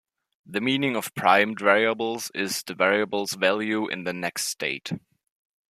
The meaning of primed variables is "the variable's value in the next state".